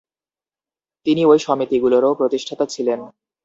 তিনি ঐ সমিতিগুলোরও প্রতিষ্ঠাতা ছিলেন।